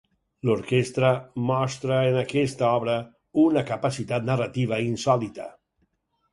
L'orquestra mostra en aquesta obra una capacitat narrativa insòlita.